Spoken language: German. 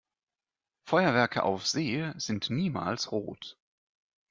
Feuerwerke auf See sind niemals rot.